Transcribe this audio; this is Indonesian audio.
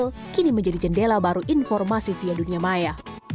sehingga google menjadi jendela baru informasi via dunia maya